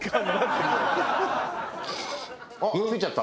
あっ！